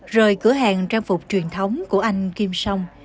rồi cửa hàng trang phục truyền thống của anh kim sông